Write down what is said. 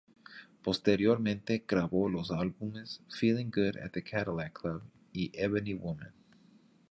Posteriormente grabó los álbumes "Feeling Good at the Cadillac Club" y "Ebony Woman".